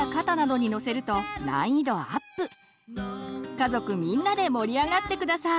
家族みんなで盛り上がって下さい。